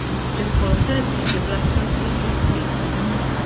Il-kunsens jiġi bl-azzjonijiet li jittieħdu.